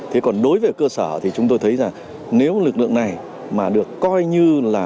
thế còn đối với cơ sở thì chúng tôi thấy rằng nếu lực lượng này mà được coi như là